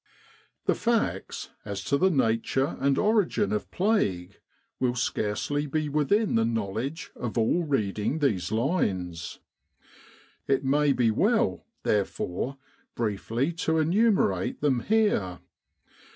The facts as to the nature and origin of plague will scarcely be within the knowledge of all reading these lines : it may be w.ell therefore briefly to enumerate them here.